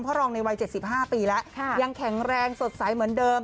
รองในวัย๗๕ปีแล้วยังแข็งแรงสดใสเหมือนเดิม